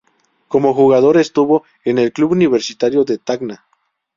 Como jugador estuvo en el club Universitario de Tacna.